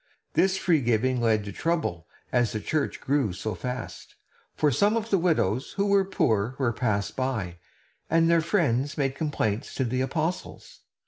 This free giving led to trouble, as the church grew so fast; for some of the widows who were poor were passed by, and their friends made complaints to the apostles.